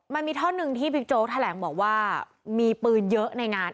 มันมีท่อนหนึ่งที่บิ๊กโจ๊กแถลงบอกว่ามีปืนเยอะในงาน